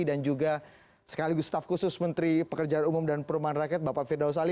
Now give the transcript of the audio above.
dan juga sekaligus staf khusus menteri pekerjaan umum dan perumahan rakyat bapak firdaus ali